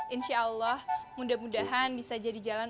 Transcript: insya allah mudah mudahan bisa jadi jalan